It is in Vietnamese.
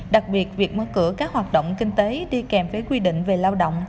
đặc biệt việc mở cửa các hoạt động kinh tế đi kèm với quy định về lao động